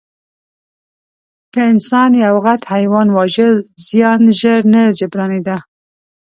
که انسان یو غټ حیوان واژه، زیان ژر نه جبرانېده.